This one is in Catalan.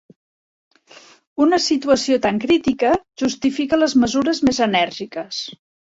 Una situació tan crítica justifica les mesures més enèrgiques.